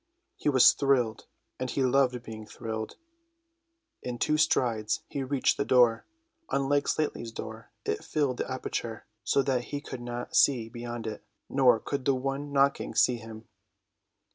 He was thrilled, and he loved being thrilled. In two strides he reached the door. Unlike Slightly's door, it filled the aperture, so that he could not see beyond it, nor could the one knocking see him.